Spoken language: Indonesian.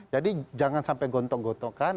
jadi jangan sampai gontok gontokkan